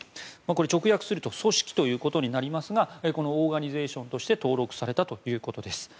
これは直訳すると組織ということになりますがこのオーガニゼーションとして登録されたということです。